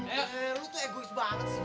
eh lo tuh egois banget sih